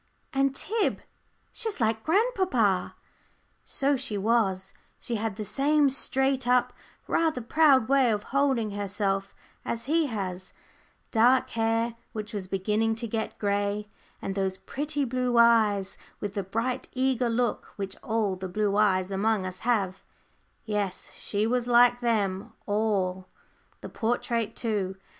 And, Tib, she's like grandpapa." So she was. She had the same straight up, rather proud way of holding herself as he has, dark hair, which was beginning to get grey, and those pretty blue eyes with the bright eager look which all the blue eyes among us have yes, she was like them all the portrait, too.